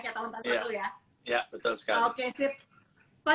kayak tahun tahun dulu ya ya betul sekali oke sip